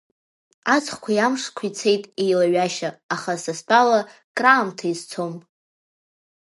Аҵхқәеи амшқәеи цеит еилаҩашьа, аха, са стәала, краамҭа изцом.